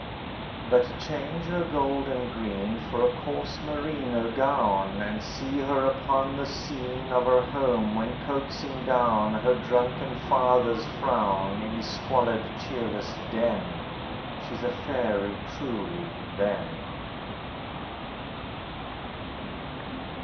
But change her gold and green For a coarse merino gown, And see her upon the scene Of her home, when coaxing down Her drunken father's frown, In his squalid cheerless den: She's a fairy truly, then!